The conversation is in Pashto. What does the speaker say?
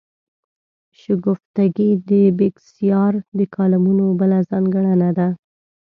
شګفتګي د بېکسیار د کالمونو بله ځانګړنه ده.